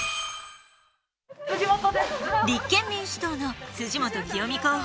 立憲民主党の辻元清美候補。